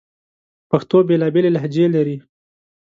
پښتو بیلابیلي لهجې لري